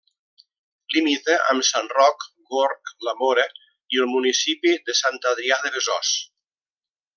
Limita amb Sant Roc, Gorg, La Mora i el municipi de Sant Adrià de Besòs.